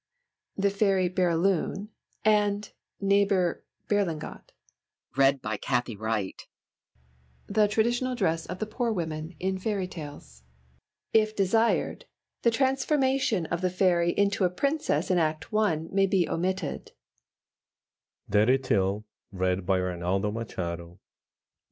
THE FAIRY BÉRYLUNE and NEIGHBOUR BERLINGOT. The traditional dress of the poor women in fairy tales. If desired, the transformation of the Fairy into a princess in Act I may be omitted.